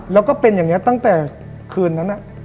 แล้วก็เป็นอย่างนี้ตั้งแต่คืนนั้น